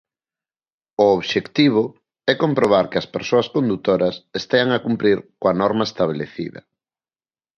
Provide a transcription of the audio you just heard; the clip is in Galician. O obxectivo é comprobar que as persoas condutoras estean a cumprir coa norma estabelecida.